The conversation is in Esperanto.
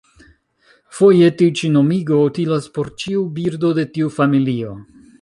Foje tiu ĉi nomigo utilas por ĉiu birdo de tiu familio.